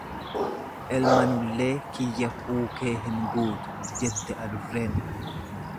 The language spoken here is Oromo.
Elmanullee kiyya kuukee hin guutu, jette adurreen.